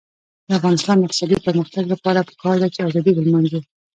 د افغانستان د اقتصادي پرمختګ لپاره پکار ده چې ازادي ولمانځو.